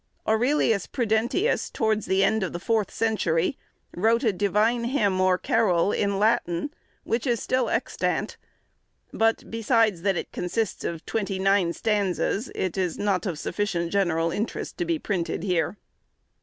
Aurelius Prudentius, towards the end of the fourth century, wrote a divine hymn or carol in Latin, which is still extant; but, besides that it consists of twenty nine stanzas, it is not of sufficient general interest to be printed here.